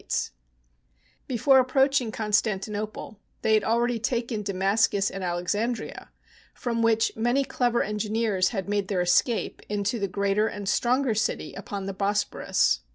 THE BOOK OF FAMOUS SIEGES Before approaching Constantinople they had al ready taken Damascus and Alexandria, from which many clever engineers had made their escape into the greater and stronger city upon the Bosporus.